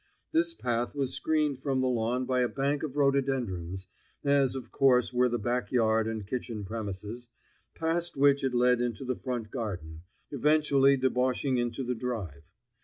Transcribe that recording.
This path was screened from the lawn by a bank of rhododendrons, as of course were the back yard and kitchen premises, past which it led into the front garden, eventually debouching into the drive.